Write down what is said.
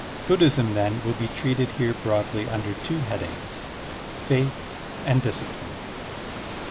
Buddhism, then, will be treated here broadly tmder two headings, Faith and Discipline.